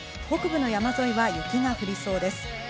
北部の山沿いは雪が降りそうです。